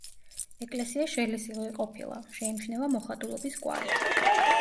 ეკლესია შელესილი ყოფილა, შეიმჩნევა მოხატულობის კვალი.